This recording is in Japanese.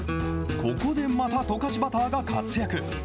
ここでまた溶かしバターが活躍。